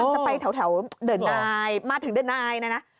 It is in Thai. จะไปแถวเดินไนมาถึงเดินไนนะ